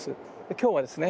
今日はですね